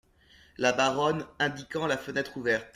La Baronne , indiquant la fenêtre ouverte.